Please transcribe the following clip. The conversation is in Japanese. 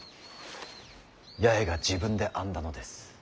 八重が自分で編んだのです。